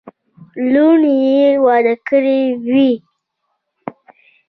لوڼي یې واده کړې وې.